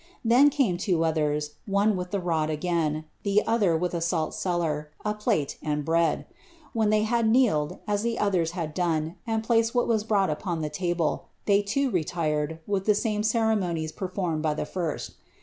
Then came iivo others, one with thf rod again, (he otlier with a salt cellar, a plate, and bread ; when dier had kneeled, as the others had done, and placed what was brought open the table, they loo retired, with the same ceremonies performed by tb« lirst.